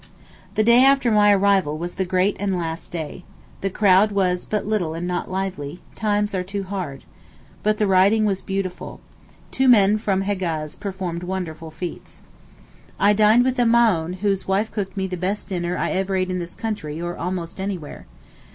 The day after my arrival was the great and last day. The crowd was but little and not lively—times are too hard. But the riding was beautiful. Two young men from Hegaz performed wonderful feats. I dined with the Maōhn, whose wife cooked me the best dinner I ever ate in this country, or almost anywhere.